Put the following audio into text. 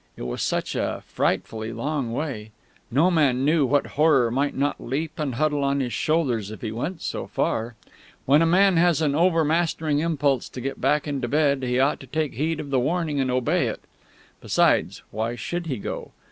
It was such a frightfully long way; no man knew what horror might not leap and huddle on his shoulders if he went so far; when a man has an overmastering impulse to get back into bed he ought to take heed of the warning and obey it. Besides, why should he go?